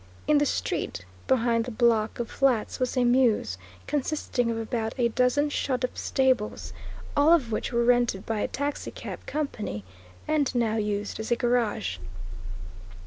In the street behind the block of flats was a mews, consisting of about a dozen shut up stables, all of which were rented by a taxicab company, and now used as a garage.